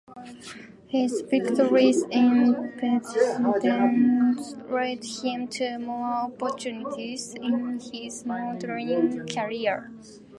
His victories in pageants led him to more opportunities in his modelling career.